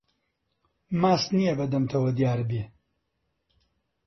ماست نییە بە دەمتەوە دیار بێت